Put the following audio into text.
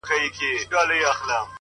o زما له زړه یې جوړه کړې خېلخانه ده ـ